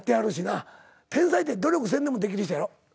天才って努力せんでもできる人やろ？